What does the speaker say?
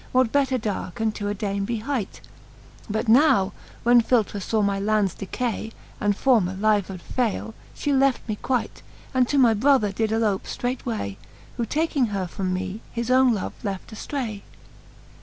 What better dowre can to a dame be hight ? But now when Philtra (aw my lands decay. And former livelod fayle, fhe left me quight, And to my brother did ellope ftreightway : Who taking her from me, his owne love left aftray.